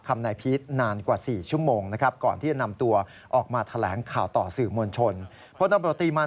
แล้วพีทก็นั่งหลังพิงกำแพงฟุ๊บหน้าตลอดเวลา